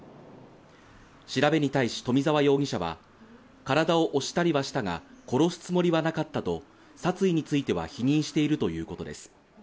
調べに対し、冨澤容疑者は、体を押したりはしたが殺すつもりはなかったと、殺意については否認しているということです。